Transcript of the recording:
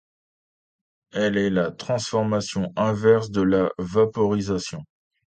Elle est la transformation inverse de la vaporisation.